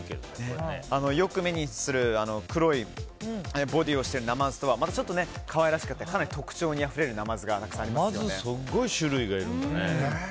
よく目にする黒いボディーをしているナマズとはまたちょっと可愛らしくて特徴にあふれるナマズすごい種類がいるんだね。